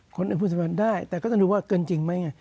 คนอื่นพูดถึงสถานพยาบาลได้แต่ก็ต้องดูว่าเกินจริงไหมไง